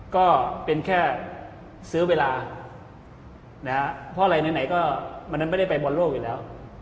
ก็เป็นแค่ซื้อเวลานะฮะเพราะอะไรไหนก็มันไม่ได้ไปบอลโลกอยู่แล้ว